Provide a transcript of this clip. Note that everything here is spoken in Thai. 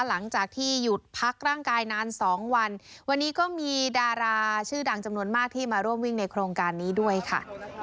หลังจากที่หยุดพักร่างกายนานสองวันวันนี้ก็มีดาราชื่อดังจำนวนมากที่มาร่วมวิ่งในโครงการนี้ด้วยค่ะ